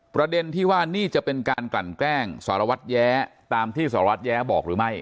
ประเด็นที่ว่านี่จะเป็นการกลั่นแกล้งสารวัตรแย้ตามที่สารวัตรแย้บอกหรือไม่